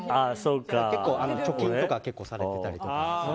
結構、貯金とかされてたりとか。